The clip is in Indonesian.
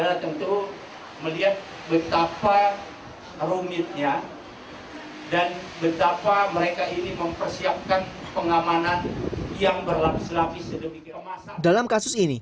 diskotik mg mulai beroperasi tahun dua ribu tujuh dan mulai menunjukkan kartu anggota jika ingin memesan ekstasi